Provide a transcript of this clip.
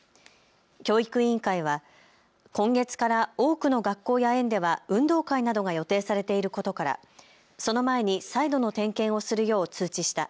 教育委員会は今月から多くの学校や園では運動会などが予定されていることからその前に再度の点検をするよう通知した。